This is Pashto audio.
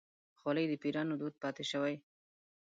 خولۍ د پيرانو دود پاتې شوی.